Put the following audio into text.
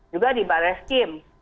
juga di bareskim